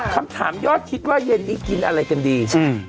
คำถามยอดคิดว่าเย็นนี้กินอะไรกันดี